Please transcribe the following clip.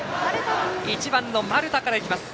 １番の丸田からいきます。